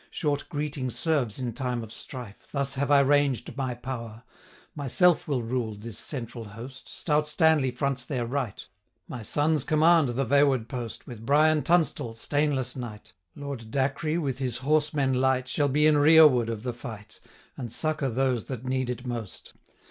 Short greeting serves in time of strife : Thus have I ranged my power: Myself will rule this central host, Stout Stanley fronts their right, 715 My sons command the vaward post, With Brian Tunstall, stainless knight; Lord Dacre, with his horsemen light, Shall be in rear ward of the fight, And succour those that need it most.